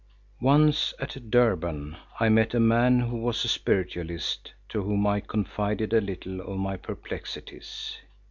Once, at Durban, I met a man who was a spiritualist to whom I confided a little of my perplexities.